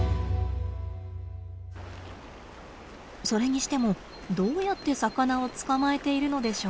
それにしてもどうやって魚を捕まえているのでしょう？